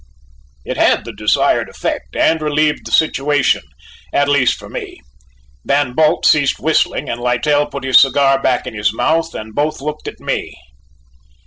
It had the desired effect, and relieved the situation, at least for me. Van Bult ceased whistling and Littell put his cigar back in his mouth and both looked at me.